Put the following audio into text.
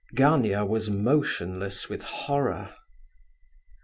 Gania was motionless with horror.